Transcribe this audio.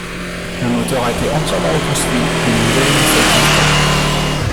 Le moteur a été entièrement reconstruit et une nouvelle hélice a été installé.